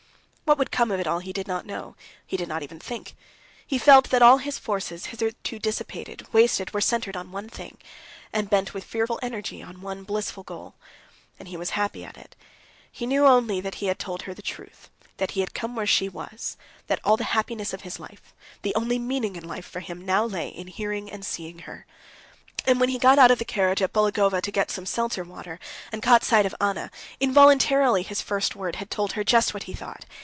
What would come of it all he did not know, he did not even think. He felt that all his forces, hitherto dissipated, wasted, were centered on one thing, and bent with fearful energy on one blissful goal. And he was happy at it. He knew only that he had told her the truth, that he had come where she was, that all the happiness of his life, the only meaning in life for him, now lay in seeing and hearing her. And when he got out of the carriage at Bologova to get some seltzer water, and caught sight of Anna, involuntarily his first word had told her just what he thought.